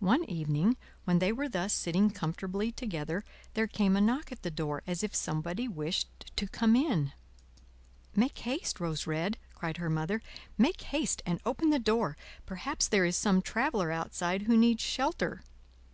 One evening, when they were thus sitting comfortably together, there came a knock at the door as if somebody wished to come in. "Make haste, Rose Red," cried her Mother; "make haste and open the door; perhaps there is some traveler outside who needs shelter."